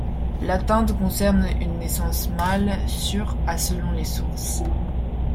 L'atteinte concerne une naissance mâle sur à selon les sources.